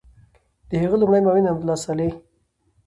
د هغه لومړی معاون امرالله صالح